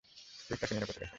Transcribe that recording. Please তাকে নিরাপদে রাখো।